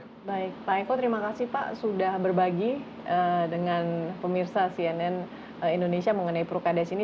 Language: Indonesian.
baik pak eko terima kasih pak sudah berbagi dengan pemirsa cnn indonesia mengenai prukades ini